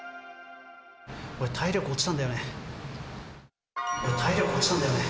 俺、体力落ちたんだよね。